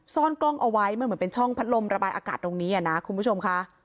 ซ่อนกล้องเอาไว้มันเหมือนเป็นช่องพัดลมระบายอากาศตรงนี้นะคุณผู้ชมค่ะ